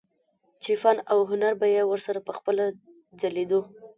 چې فن او هنر به يې ورسره پخپله ځليدلو